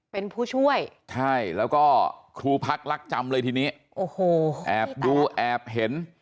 เป็นผู้ช่วยใช่แล้วก็ครูพักรักจำเลยทีนี้โอ้โหแอบดูแอบเห็น